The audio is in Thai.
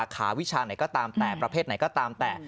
ขาวิชาไหนก็ตามแต่ประเภทไหนก็ตามแต่